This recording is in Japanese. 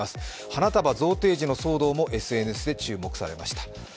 花束贈呈時の騒動もＳＮＳで注目されました。